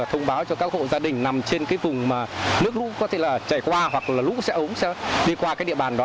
thông báo cho các hộ gia đình nằm trên vùng nước lũ có thể chảy qua hoặc lũ sẽ ống đi qua địa bàn đó